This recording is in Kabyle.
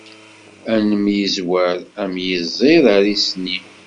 Ad nemyezwer, am yiẓid ar isni.